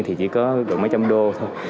thì chỉ có đủ mấy trăm đô thôi